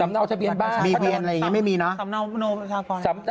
มันเช็คได้อย่างไรสมมุติว่าแบบมีเบียนอะไรอย่างนี้ไม่มีเนอะ